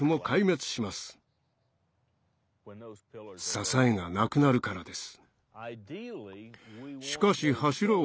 支えがなくなるからです。